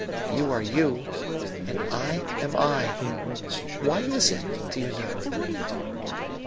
You are you, and I am I; why is it do you know?"